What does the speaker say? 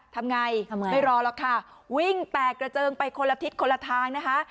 ทำไงทำไมไม่รอหรอกค่ะวิ่งแตกกระเจิงไปคนละทิศคนละทางนะคะ